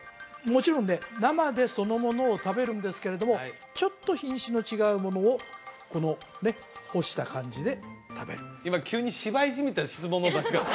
もちろんね生でそのものを食べるんですけれどもちょっと品種の違うものをこのね干した感じで食べる今急に芝居じみた質問の出し方